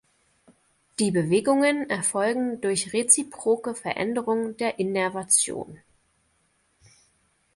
Die Bewegungen erfolgen durch reziproke Veränderung der Innervation.